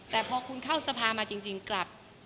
แต่พอคุณเข้าสภามาจริงกลับ